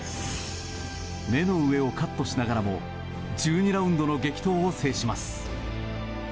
目の上をカットしながらも１２ラウンドの激闘を制します。